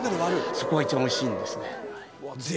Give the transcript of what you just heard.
そこが一番おいしいんですね。